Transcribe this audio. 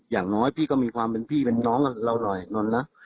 อย่างน้อยพี่ก็มีความเป็นพี่เป็นน้องกับเราหน่อยนนรัก